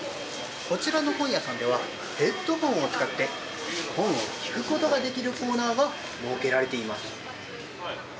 こちらの本屋さんではヘッドフォンを使って本を聴くことができるコーナーが設けられています。